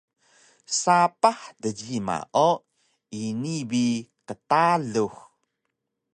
Sapah djima o ini bi ktalux